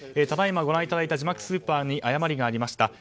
ただいまご覧いただいた字幕スーパーに誤りがありました。